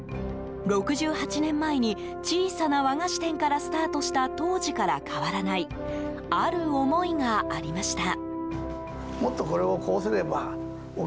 ６８年前に小さな和菓子店からスタートした当時から変わらないある思いがありました。